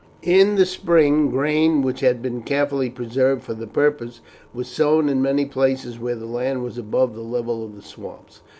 In the spring, grain, which had been carefully preserved for the purpose, was sown in many places where the land was above the level of the swamps.